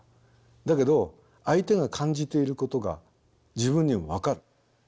だけど相手が感じていることが自分にも分かる。